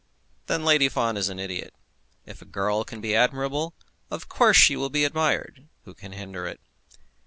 "Then Lady Fawn is an idiot. If a girl be admirable, of course she will be admired. Who can hinder it?"